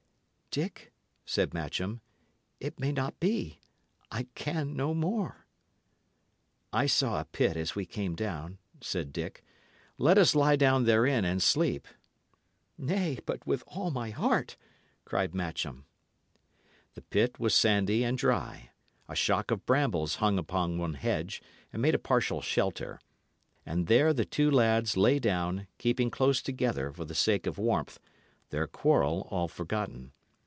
"Dick," said Matcham, "it may not be. I can no more." "I saw a pit as we came down," said Dick. "Let us lie down therein and sleep." "Nay, but with all my heart!" cried Matcham. The pit was sandy and dry; a shock of brambles hung upon one hedge, and made a partial shelter; and there the two lads lay down, keeping close together for the sake of warmth, their quarrel all forgotten.